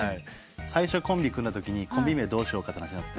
最初コンビ組んだときにコンビ名どうしようかって話になって。